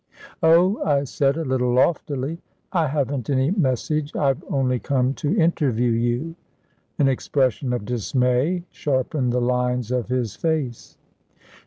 "Oh," I said, a little loftily, "I haven't any message, I've only come to interview you." An expression of dismay sharpened the lines of his face.